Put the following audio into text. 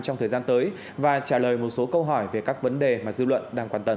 trong thời gian tới và trả lời một số câu hỏi về các vấn đề mà dư luận đang quan tâm